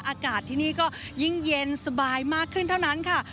อากาศที่นี่ก็ยิ่งเย็นสบายมากขึ้นเท่านั้นค่ะ